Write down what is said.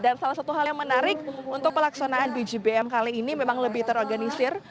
dan salah satu hal yang menarik untuk pelaksanaan bgpm kali ini memang lebih terorganisir